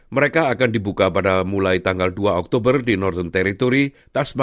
mereka akan dibuka pada mulai tanggal dua oktober di northern territory tasmania victoria dan australia barat